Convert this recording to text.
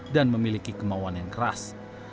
memiliki kemauan yang keras